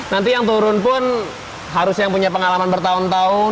nanti yang turun pun harus yang punya pengalaman bertahun tahun